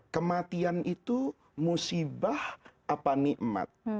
kematian itu musibah apa nikmat